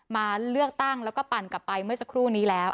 มาเลือกตั้งแล้วก็ปั่นกลับไปเมื่อสักครู่นี้แล้ว